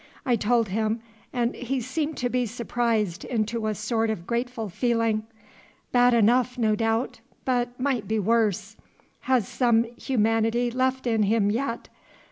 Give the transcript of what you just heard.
I told him, and he seemed to be surprised into a sort of grateful feeling. Bad enough, no doubt, but might be worse. Has some humanity left in him yet.